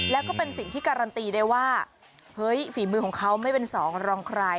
แล้วก็เป็นสิ่งที่การันตีได้ว่าเฮ้ยฝีมือของเขาไม่เป็นสองรองใคร